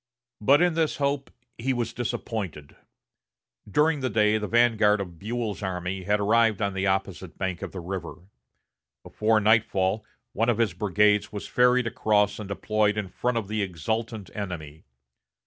But in this hope he was disappointed. During the day the vanguard of Buell's army had arrived on the opposite bank of the river. Before nightfall one of his brigades was ferried across and deployed in front of the exultant enemy.